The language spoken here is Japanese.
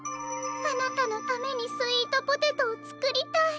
あなたのためにスイートポテトをつくりたい。